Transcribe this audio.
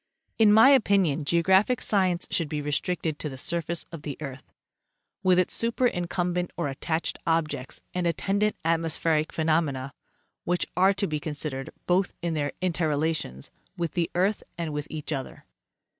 In my opinion, geographic science should be restricted to the surface of the earth, with its superincumbent or attached objects and attendant atmospheric phenomena, which are to be consid ered, both in their interrelations with the earth and with each other.